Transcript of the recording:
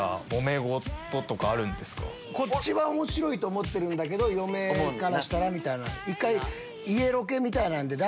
こっちは面白いと思ってるけど嫁からしたらみたいな。